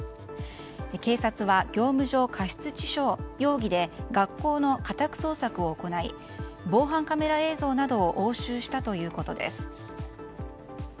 警察は業務上過失致死傷容疑で学校の家宅捜索を行い防犯カメラ映像などを押収したということです。